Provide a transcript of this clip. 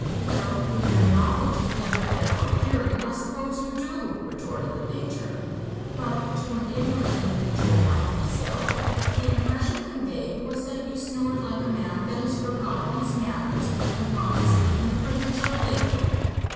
"Well, if your knowledge is better than our hearing, I suppose you do," retorted the Major. "But to an ignorant individual like meself the impression conveyed was that you snored like a man that has forgotten his manners an' gone to sleep in the prisence of a lady."